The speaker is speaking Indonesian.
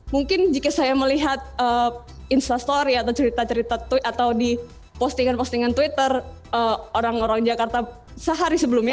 mungkin jika saya melihat instastory atau cerita cerita atau di postingan postingan twitter orang orang jakarta sehari sebelumnya